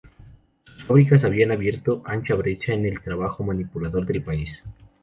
Sus fábricas habían abierto ancha brecha en el trabajo manipulador del país.